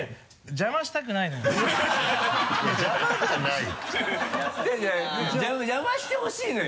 邪魔してほしいの？